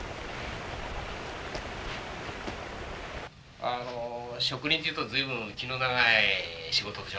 あの植林というと随分気の長い仕事でしょ。